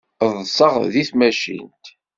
Ḍḍseɣ deg tmacint.